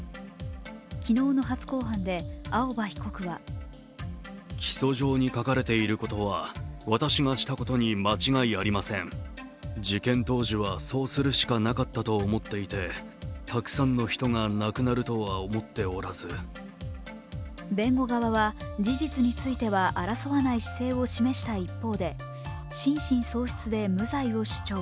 昨日の初公判で青葉被告は弁護側は事実については、争わない姿勢を示した一方で、心神喪失で無罪を主張。